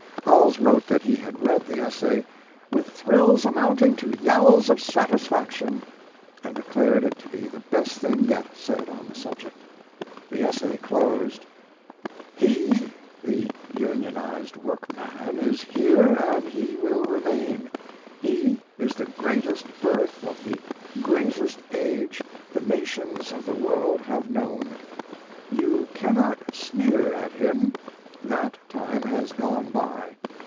Howells wrote that he had read the essay "with thrills amounting to yells of satisfaction," and declared it to be the best thing yet said on the subject. The essay closed: He [the unionized workman] is here and he will remain. He is the greatest birth of the greatest age the nations of the world have known. You cannot sneer at him that time has gone by.